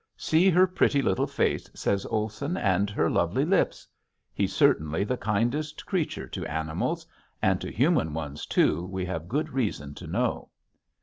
"See her pretty little face," says Olson, "and her lovely lips." He's certainly the kindest creature to animals and to human ones too we have good reason to know.